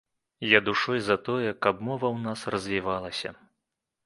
Я душой за тое, каб мова ў нас развівалася.